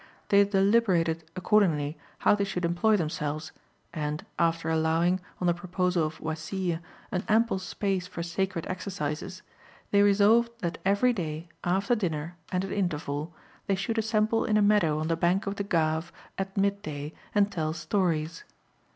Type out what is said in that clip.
They deliberated accordingly how they should employ themselves, and, after allowing, on the proposal of Oisille, an ample space for sacred exercises, they resolved that every day, after dinner and an interval, they should assemble in a meadow on the bank of the Gave at midday and tell stories.